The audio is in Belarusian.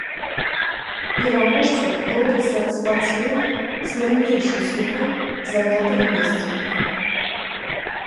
Пераможцам робіцца спартсмен з найменшай сумай занятых месцаў.